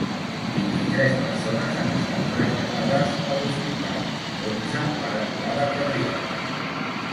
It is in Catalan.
Vint-i-tres persones han estat traslladades a l’hospital, onze per aturada cardíaca.